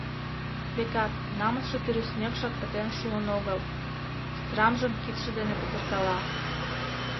Векат, намысше тӱрыснекшак пытен шуын огыл: страмжым кидше дене петыркала.